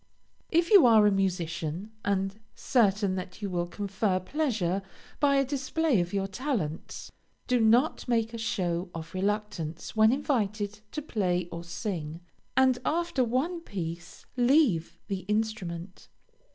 If you are a musician, and certain that you will confer pleasure by a display of your talents, do not make a show of reluctance when invited to play or sing. Comply gracefully, and after one piece, leave the instrument.